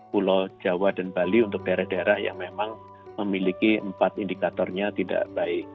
pulau jawa dan bali untuk daerah daerah yang memang memiliki empat indikatornya tidak baik